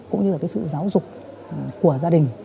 cũng như là sự giáo dục của gia đình